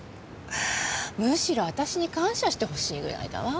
むしろ私に感謝してほしいぐらいだわ。